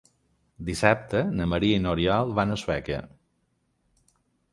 Dissabte na Maria i n'Oriol van a Sueca.